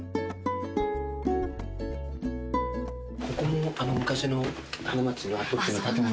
ここも昔の花街の跡地の建物なんですよね。